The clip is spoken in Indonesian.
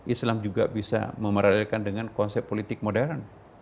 islam juga bisa memeradalkan dengan konsep politik modern